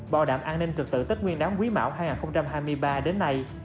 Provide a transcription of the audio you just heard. bò đạm an ninh trật tự tết nguyên đáng quý mạo hai nghìn hai mươi ba đến nay